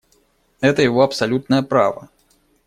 Это его абсолютное право.